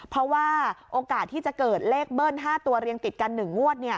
เพราะว่าโอกาสที่จะเกิดเลขเบิ้ล๕ตัวเรียงติดกัน๑งวด